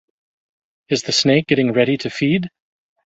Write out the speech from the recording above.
Is the snake getting ready to feed?